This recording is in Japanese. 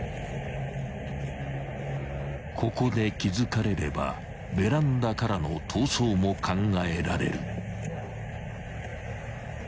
［ここで気付かれればベランダからの逃走も考えられる］